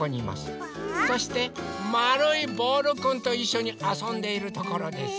そしてまるいボールくんといっしょにあそんでいるところです。